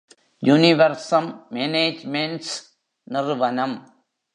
யுனிவர்சம் மேனேஜ்மென்ட்ஸ் நிறுவனம்.